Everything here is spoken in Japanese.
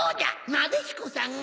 なでしこさんが。